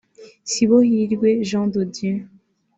Sibohirwe Jean de Dieu